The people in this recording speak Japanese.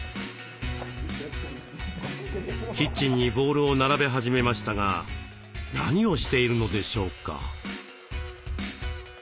キッチンにボウルを並べ始めましたが何をしているのでしょうか？